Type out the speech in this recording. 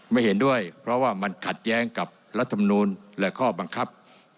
ไม่เห็นด้วยเพราะว่ามันขัดแย้งกับรัฐมนูลและข้อบังคับ